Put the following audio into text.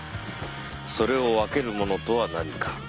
それを分けるものとは何か。